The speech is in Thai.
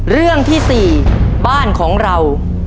เรื่องที่๔บ้านของเรา